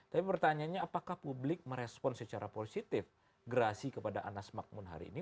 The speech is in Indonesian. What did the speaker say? tapi pertanyaannya apakah publik merespon secara positif gerasi kepada anas magmun hari ini